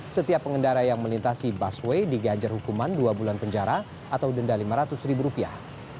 setiap pengendara yang melintasi busway diganjar hukuman dua bulan penjara atau denda lima ratus ribu rupiah